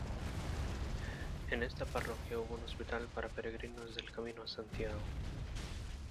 En esta parroquia hubo un hospital para peregrinos del Camino de Santiago.